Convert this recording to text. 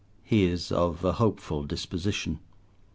He is of a hopeful disposition.